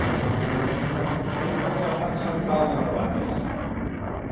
Vaig al parc Central de Nou Barris.